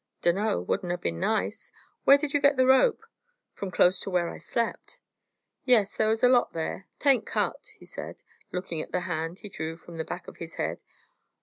"Dunno. Wouldn't ha' been nice. Where did you get the rope?" "From close to where I slept." "Yes, there was a lot there. 'Tain't cut," he said, looking at the hand he drew from the back of his head.